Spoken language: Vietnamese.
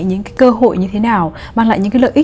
những cơ hội như thế nào mang lại những lợi ích